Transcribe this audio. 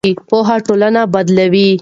پوهه ټولنه بدلوي.